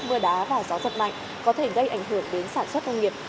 mưa đá và gió giật mạnh có thể gây ảnh hưởng đến sản xuất nông nghiệp